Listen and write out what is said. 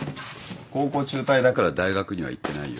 高校中退だから大学には行ってないよ。